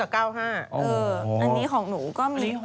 อ๋อออออันนี้ของหนูก็มี